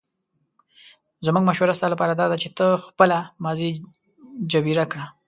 زموږ مشوره ستا لپاره داده چې ته خپله ماضي جبیره کړه.